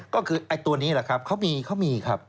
ก็คือไอ้ตัวนี้แหละครับเขามีครับ